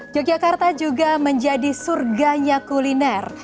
yogyakarta juga menjadi surganya kuliner